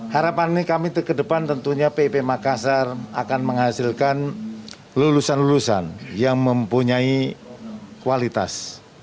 harapan ini kami ke depan tentunya pip makassar akan menghasilkan lulusan lulusan yang mempunyai kualitas